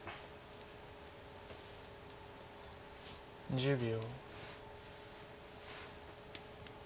１０秒。